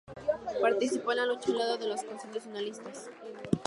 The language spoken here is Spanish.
Participó en la lucha al lado de los constitucionalistas.